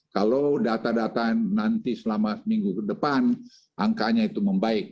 kalau data data nanti selama seminggu ke depan angkanya itu membaik